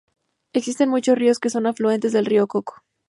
Existen muchos ríos que son afluentes del río Coco.